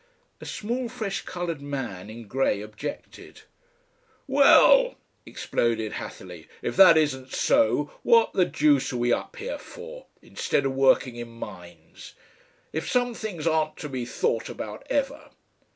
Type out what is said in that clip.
A small fresh coloured man in grey objected. "Well," exploded Hatherleigh, "if that isn't so what the deuce are we up here for? Instead of working in mines? If some things aren't to be thought about ever!